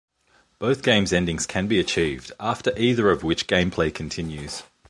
Both game's endings can be achieved, after either of which gameplay continues.